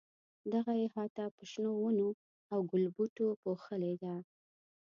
دغه احاطه په شنو ونو او ګلبوټو پوښلې ده.